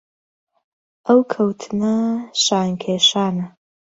ئەو کەوتنە شان کێشانە